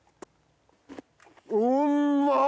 うんまっ！